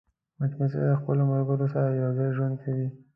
مچمچۍ د خپلو ملګرو سره یوځای ژوند کوي